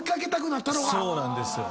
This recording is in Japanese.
そうなんですよ。